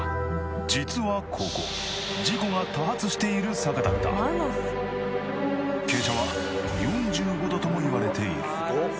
実はここ事故が多発している坂だったともいわれている